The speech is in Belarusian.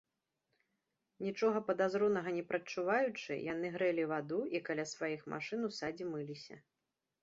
Нічога падазронага не прадчуваючы, яны грэлі ваду і каля сваіх машын у садзе мыліся.